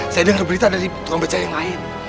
saya dengar berita dari tukang beca yang lain